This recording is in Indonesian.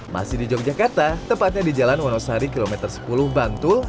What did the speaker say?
masih di yogyakarta tepatnya di jalan wonosari kilometer sepuluh bantul